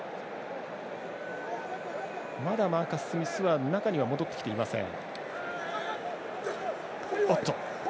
まだ、マーカス・スミスは中には戻ってきていません。